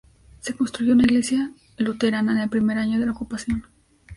Se construyó una iglesia luterana en el primer año de la ocupación.